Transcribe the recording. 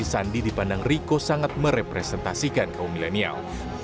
sandi dipandang riko sangat merepresentasikan kaum milenial